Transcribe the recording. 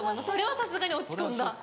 それはさすがに落ち込んだ。